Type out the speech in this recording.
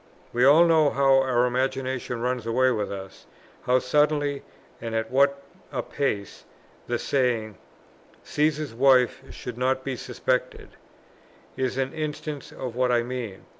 We all know how our imagination runs away with us, how suddenly and at what a pace; the saying, "Cæsar's wife should not be suspected," is an instance of what I mean.